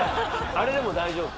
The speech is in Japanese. あれでも大丈夫？